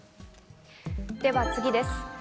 では次です。